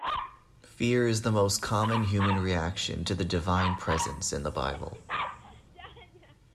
Fear is the most common human reaction to the divine presence in the Bible.